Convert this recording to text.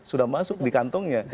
sudah masuk di kantongnya